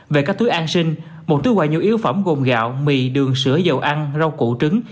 về các túi an sinh một túi quà nhu yếu phẩm gồm gạo mì đường sữa dầu ăn rau củ trứng